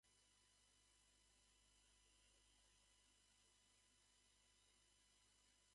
ヒノカミ神楽炎舞（ひのかみかぐらえんぶ）